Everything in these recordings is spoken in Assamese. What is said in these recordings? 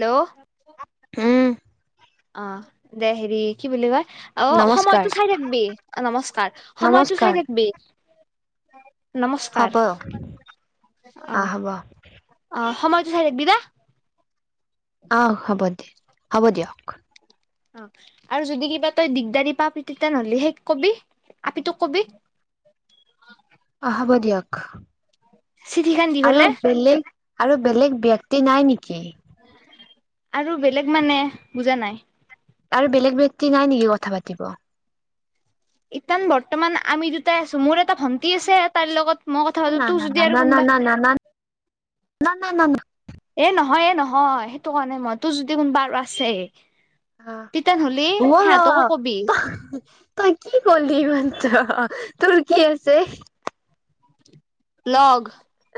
হেল্ল'! [unintelligible] অ দে হেৰি কি বুলি কয় অ নমস্কাৰ, সময়টো চাই থাকিবি অ নমস্কাৰ সময়টো চাই নমস্কাৰ থাকিবি। হ'ব নমস্কাৰ আহ অঁ হ'ব অঁ। সময়তো চাই থাকিবিদে। অঁ হ'ব দে। হ'ব দিয়ক। অ আৰু যদি কিবা তই দিগদাৰি পাবি তেতিয়া নহলে সেইক কবি আপি তোক কবি। অঁ হ'ব দিয়ক। চিঠি খান দি আৰু ফেলে বেলেগ আৰু বেলেগ ব্যক্তি নাই নেকি? আৰু বেলেগ মানে বুজা নাই? আৰু বেলেগ ব্যক্তি নাই নেকি কথা পাতিব। ইঠান বৰ্তমান আমি দুটাই আছো মোৰ এটা ভন্টি আছে তাই লগত মই কথা পাতো না তোৰ না যদি আৰু না কোনোবা না না না। এ নহয় এ নহয় সেইটো কোৱা নাই মই তোৰ যদি কোনোবা আৰু আছে হা তেতিয়ান হ'লে ও সিহঁতকো কবি ৰহ তই কি কলি এইমাত্ৰ তোৰ কি আছে লগ।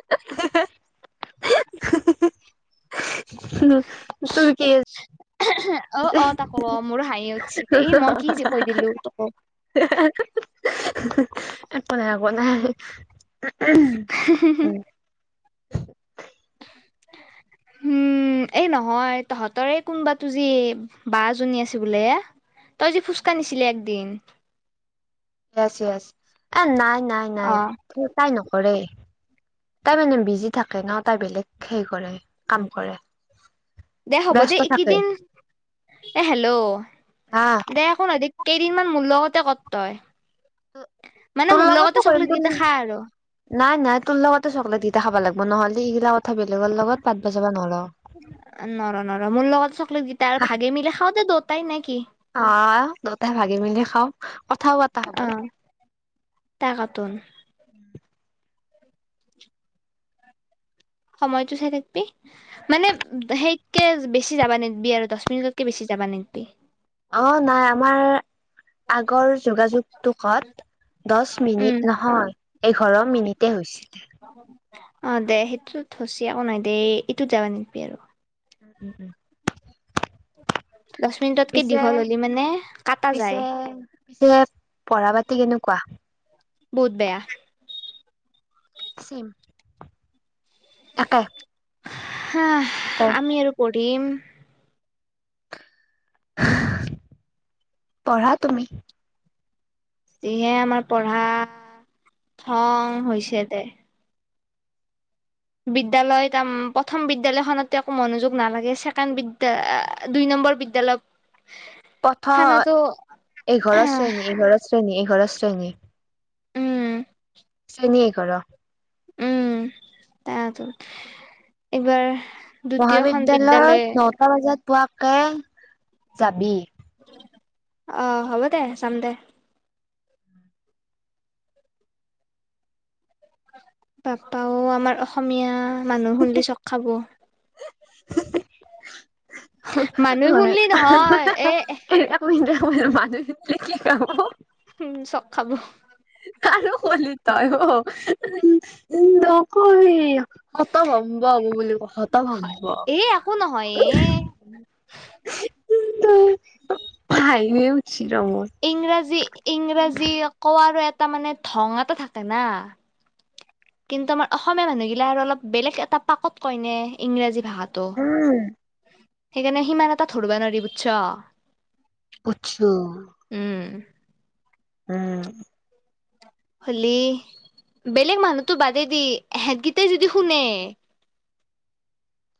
[unintelligible] তুৰ কি অ আছে। অ তাক মোৰ হাঁহি উঠছি এই মই কি যে কৈ দিলো তোকো একো নাই একো নাই। উম। উম এই নহয় তহঁতৰে কোনোবা তো যি বা জনী আছে বোলে তই যি ফুচকা নিছিলি একদিন। য়েছ য়েছ এ নাই নাই অ নাই তাই ন কৰে তাই মানে বিজি থাকে ন তাই বেলেগ হে কৰে কাম কৰে। দে হ'ব দে ব্যস্ত থাকে এইকেইদিন এ হেল্ল' হা দে একো নহয় কেইদিনমান মোৰ লগতে কৰ তই। মানে তোৰ মোৰ লগতে লগত চকলেট কৰিম তোৰ কেইটা খা আৰু নাই নাই তোৰ লগতে চকলেট দি খাব লাগিব নহলে স ইগলা কথা বেলেগৰ লগত পাতব যাবা নৰা। নৰ নৰ মোৰ লগতে চকলেট কেইটা আৰু ভাগে মিলি খাওঁ দে দুটাই নে কি অ', দুতাই ভাগি মেলি খাওঁ, কথাও পতা হ'ব। অ [unintelligible] সময়তটো চাই থাকবি, মানে সেইতকে বেছি যাবা নিদবি আৰু, দহ মিনিটতকে বেছি যাবা নিদবি। অ', নাই আমাৰ আগৰ যোগাযোগটোকত দচ উম মিনিট নহয়, এঘাৰ মিনিটেই হৈছিলে। অ', দে সেইটোতো [unintelligible] যাব নিদবি আৰু। উম উম উম। দহ মিনিটতকে পিছে দীঘল হ'লে মানে, কটা পিছে যায়। পিছে পঢ়া বাতি কেনেকুৱা? বহুত বেয়া। ছেইম। একে। হা, একে আমি আৰু পৰ টীম। পঢ়া তুমি। যিহে আমাৰ পঢ়া, থং হৈছে দে। বিদ্যালয় তাৰ প্ৰথম বিদ্য়ালয়খনত একো মনোযোগ নালাগে, ছেকেণ্ড বিদ্যা দুই নম্বৰ বিদ্যালয় [unintelligible] খানতো এঘৰ শ্ৰেণী এঘৰ শ্ৰেণী এঘৰ [unintelligible] উম [unintelligible] কৰ। উম, তাতো এইবাৰ দ্বিতীয়খন মহবিদ্যালয়ত বিদ্যালয় নটা বজাত পোৱাকে যাবি। অ', হ'ব দে, যাম দে। পাপাও আমাৰ অসমীয়া মানুহ হলে চক খাব। [unintelligible] মানুহে শুনলি নহয় এ [unintelligible] [unintelligible] উম, চক খাব। আৰু কলি তই অ', উম, উম নকবি হতভম্ব [unintelligible] হতভম্ব। এ একো নহয় এ [unintelligible] মোৰ। ইংৰাজী, ইংৰাজী কোৱাৰ এট তাৰ মানে, ধং এটা থাকে না। কিন্তু আমাৰ অসমীয়া মানুহগিলাক আৰু অলপ বেলেগ এটা পাকত কইনে ইংৰাজী ভাষাতো। উম সেইকাৰণে সিমান এটা ধৰবা নি বুজছ বুজিছো। উম উম হলি বেলেগ মানুহতো বাদেইদি এহতকেইটাই যদি শুনে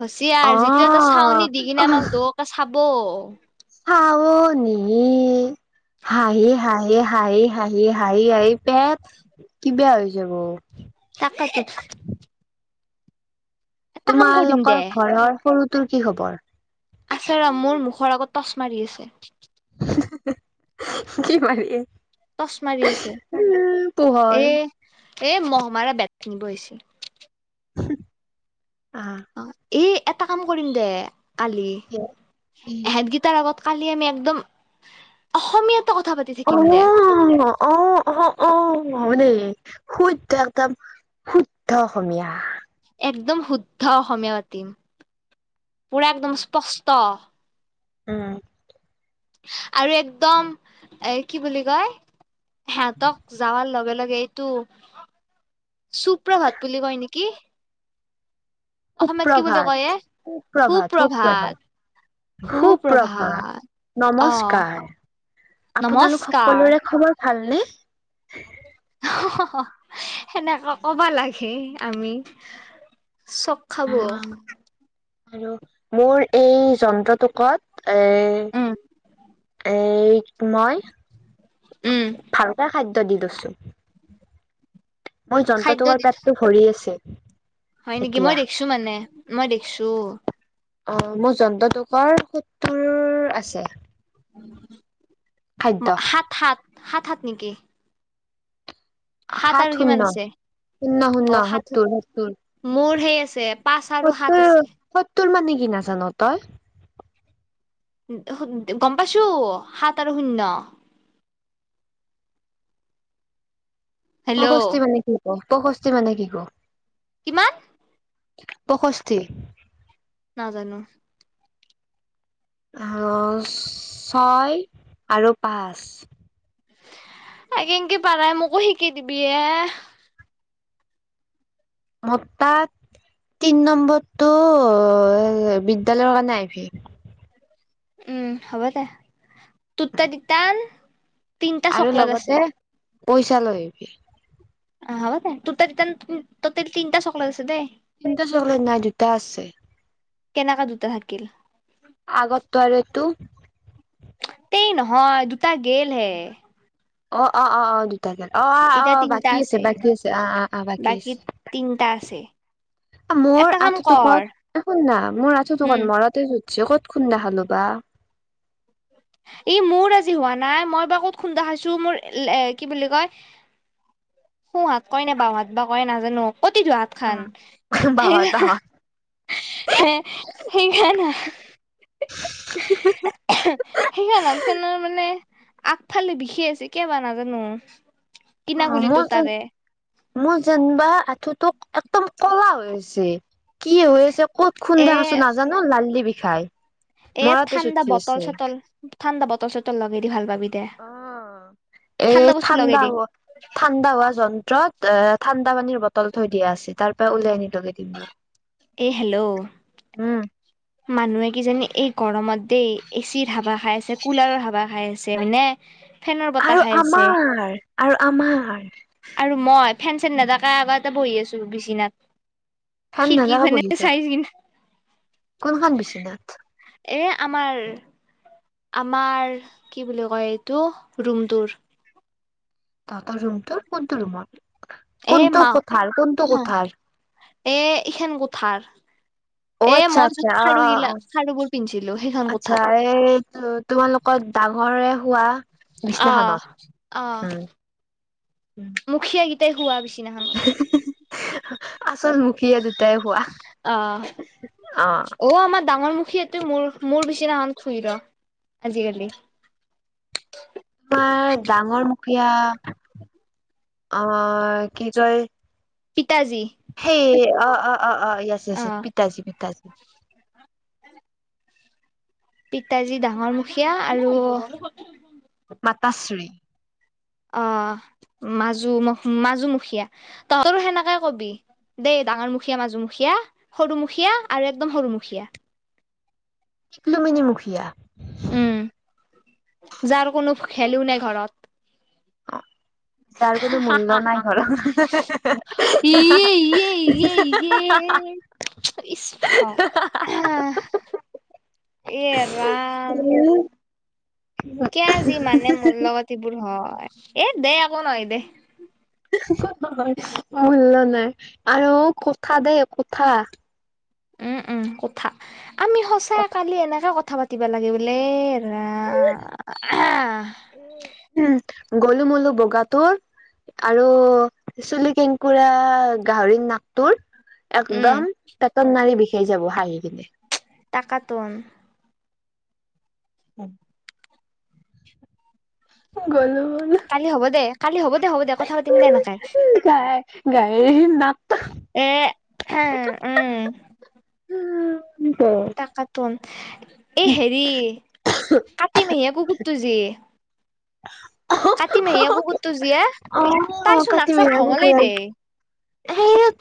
হৈছে অ আৰু যিটো এটা চাউনি দি কিনে আমাক দুৰৰ পৰা চাব ব খাৱ নি হাহি হাহি হাঁহি হাঁহি হাঁহি হাঁহি পেট কিবা হৈছে বৌ পকেট দে তোমালোকৰ ঘৰৰ সৰু তোৰ কি খবৰ? আচে মোৰ মুখৰ আগত টচ মাৰি আছে কি মাৰিছে? টচ মাৰি আছে পোহৰ এ এই মহমাৰা বেট থিনিব আহি হৈছে, হম, অ' এই এটা কাম কৰিম দে আলি এহেঁত গীটাৰ আগত কালি আমি একদম অসমীয়া অ' অ' অ' অ' হব দেই শুদ্ধ একদম শুদ্ধ অসমীয়া একদম শুদ্ধ অসমীয়া পাতিম পুৰা একদম স্পষ্ট উম! আৰু একদম এ কি বুলি কয় সিহঁতক যাৱাৰ লগে লগে এইটো চুপ্ৰভাত বুলি কয় নেকি? অসমীয়াত কি বুলি কয় সুপ্ৰভাত এ সুপ্ৰভাত সুপ্ৰভাত সুপভাত সুপ্ৰভাত অ নমস্কাৰ আপোনালোক নমস্কাৰ সকলোৰে খবৰ ভালনে [unintelligible] অহ হ হ সেনেকা ক'ব লাগে হে আমি চক খাব আৰু মোৰ এই যন্ত্ৰটো কত এ এই মই উম ভালকে খাদ্য দি দৈছো চুপ মই জন্ত্ৰ খাদ্য তৰ দি পেটটো ভৰি আছে। হয় নেকি মই এতিয়া। দেখিছো মানে মই দেখছো অ' মোৰ জন্ত্ৰটোক বৰ চতুৰ আছে খাদ্য। [unintelligible] সাত সাত হাত হাত নেকি সাত আৰু কিমান শূন্য আছে শূন্য শূন সত্তৰ সত্তৰ ঢ়েই আছে পাঁচ আৰু সাত সত্তৰ আছে সত্তৰ মানে কি নাজানো তই, গম পাইছো সাত আৰু শূন্য হেল্ল' প্ৰশস্তি মানে কি? অল্পশস্তি মানে কি ক? কিমান পষষ্ঠি নাজানো আঁহ ছয় আৰু পাঁচ এনেকে প নাই মোকো শিকি দিবি এ ম তাত তিন নম্বৰটো বিদ্যালয়ৰ কাৰণে আহিবি, উম হ'ব দে ত ত দিতান তিনিটা আৰু চকলেট আছে। লগতে পইচা লৈ আহিবি। অ' হব দে তোতেই তাত তিনিটা চকলেট আছে দেই কিন্তু চকলেট নাই দুটা আছে কেনেকা দুটা থাকিল আগততো আৰু এইটো ই নহয় দুটা গলেহে অ' অ' অ' আ অ' অ' অ' এতিয়া অ' তিনটা বাকী আছে বাকী আছে অঁ অঁ অঁ বাকী আছে তিনটা আছে মোৰ এটা কাম আঁঠু কৰ টোকত শুন না মোৰ আঁঠু টুোকত হম মৰতে ক'ত খুন্দা হালো বা ই মোৰ আজি হোৱা নাই মই বাৰু ক'ত খুন্দা খাইছো মোৰ এ কি বুলি কয় সোহাত কয় ন বহাত বা কয় নাজানো অতিজোৱাত খান বাহত বাহত। স সেইখানা সেইখনত খানৰ মানে। আগফালে বিষি আছে কিয় বা নাজানো। কিনা অহ ', গুলিটো মোৰ যে তাৰে মোৰ যেনিবা। তোক একদম কলা হৈ হৈছে। কি হৈ আছে ক'ত এ খুন্দেখ আছো নাজানো লাল্লি বিষাই মৰাতে চ উঠি আছে। ঠাণ্ড বল চটল লাগে দি ভাল পাবি। দে অহ ', এই বস্তু লগাই ঠাণ্ডা দি হোৱা ঠাণ্ডা হোৱা যন্ত্ৰত এ ঠাণ্ডা টা পানীৰ বটল থৈ দিয়া আছে তাৰ পৰা উলে আনি লগে দিম ৰহ। এই হেল্ল', মানুহে কিজানি এই গৰমত দেই এ চিৰ ধবা খাই আছে কুলাৰৰ হাৱা খাই আছে মানে। আৰু আমাৰ - আৰু আমাৰ আৰু মই ফেন চেন নথাকা আগাৰ এটা বহি আছো বিছনাত। ফেন খিৰিকিৰ নলগাই ফানে বহি যাও চাইজ কিন্ত [unintelligible] কোনখন বিচনাত। এ আমাৰ আমাৰ কি বুলি কয় এইটো ৰুমটোৰ। তহতৰ ৰুমটো কোনটো ৰুমৰ? এ কোনটো কোঠাৰ কোনটো [unintelligible] কোঠাৰ এহ ইখান থাৰ [unintelligible] অহ ', আচ্ছা - আচ্ছা অহ ', - অহ ', - অহ পিন্ধিছিলো সেইখন ', আচ্ছা, কোঠাত এই তোমালোকৰ ডাঙৰে হোৱা বিছনাখনত উম। মুখীয়া হোৱা বিচনা। বিচনাখনত। আচলমুখীয়া দুটাই হোৱা আহ অহ ', সেইটো মোৰ মোৰ বিচিনাখন শুই ৰ আজিকালি। তোমাৰ ডাঙৰ অহ ', কি তই পিতাজী সেই অহ ', - অহ ', অহ ', - অহ ', য়েছ -য়েছ অ পিতাজি - পিতাজি। পিতাজী ডাঙৰ মুখীয়া আৰু মাতাশ্ৰী। অহ ', মাজু মাজুমুখীয়া তহতৰ সেনেকাই কৰিবি দেই ডাঙৰ মুখীয়া, মাজুমুখীয়া, সৰুমখীয়া আৰু একদম সৰুমুখীয়া। তিক্লো মিনি মুখিয়া। উম, যাৰ কোনো খেলোঁ নে ঘৰত? যাৰ কোনো মূল্য নাই ঘৰত এ, এ, এ, এ, ইচ এৰাম। উম কিয়া যি মানে মোৰ লগত এইবোৰ হয়। এ দে একো নহয় দে। মূল্য নাই আৰু কথা দেই কথা। উম, উম, কথা। আমি সঁচাই কথা কালি এনেকে কথা পাত কিবা লাগে বোলে। এয়া উম গলু মলু বগাটোৰ আৰু চুলি কেকুৰা গাহৰি নাকটোৰ। একদম পেটৰ নাৰী বিষ সেই যাব হাঁহি। কিনে টাকাতন। উম। গ'লো ন'। খালি হ'ব দে হ'ব দে কথা পাতি দে নকই, গাই গাই নাট আ এ টাকাতন এ হেৰি কাটি মেহীয়া কুকুুৰটো যে [unintelligible] কাটি মাহী কুকুতটো জিয়া অ তাইচোন নাক চাগ ভঙলেই দেই সেই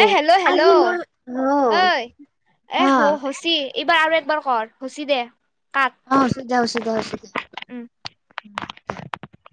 এ হেল্ল' হেল্ল' অ ঐ এ অ হ হচি এইবাৰ আৰু একবাৰ কৰ হুচি দে কাট অ ওচত যা ওচত হয় উম উ [unintelligible]